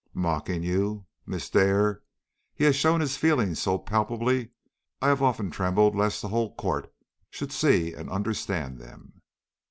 "Mocking you? Miss Dare, he has shown his feelings so palpably, I have often trembled lest the whole court should see and understand them."